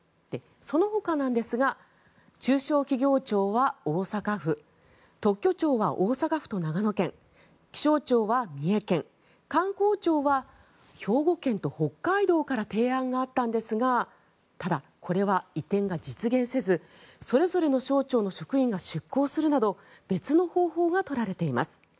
そのほかなんですが中小企業庁は大阪府特許庁は大阪府と長野県気象庁は三重県観光庁は兵庫県と北海道から提案があったんですがただ、これは移転が実現せずそれぞれの省庁の職員が出向するなど別の方法が取られています。